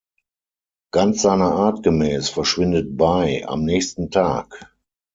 Ganz seiner Art gemäß verschwindet Bai am nächsten Tag.